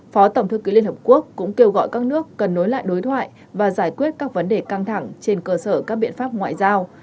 phó tổng thư ký liên hợp quốc cũng kêu gọi các nước cần nối lại đối thoại và giải quyết các vấn đề căng thẳng trên cơ sở các biện pháp ngoại giao